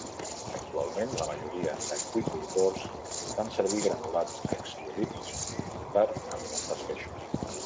Actualment, la majoria d'aqüicultors fan servir granulats extrudits per alimentar els peixos.